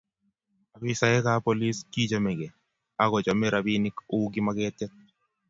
Afisaekab polis kichomegei. Ako chomei robinik uu kimagetiet